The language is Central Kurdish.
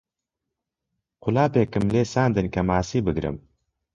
قولاپێکم لێ ساندن کە ماسی بگرم